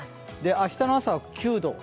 明日の朝は９度。